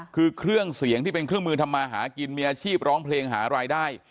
คือเครื่องเสียงที่เป็นเครื่องมือทำมาหากินมีอาชีพร้องเพลงหารายได้